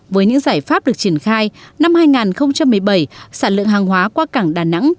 với những giải pháp được triển khai năm hai nghìn một mươi bảy sản lượng hàng hóa qua cảng đà nẵng